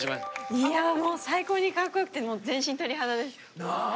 いやもう最高にかっこよくて全身鳥肌です。